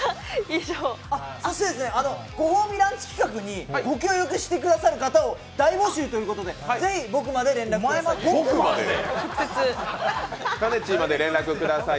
ご褒美ランチ企画にご協力してくださる方を大募集ということで是非、僕まで連絡ください！